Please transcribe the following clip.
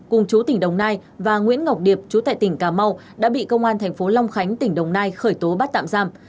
cùng chú tỉnh đồng nai và nguyễn ngọc điệp chú tại tỉnh cà mau đã bị công an thành phố long khánh tỉnh đồng nai khởi tố bắt tạm giam